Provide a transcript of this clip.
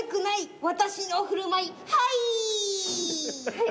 はい。